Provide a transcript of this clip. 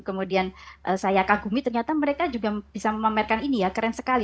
kemudian saya kagumi ternyata mereka juga bisa memamerkan ini ya keren sekali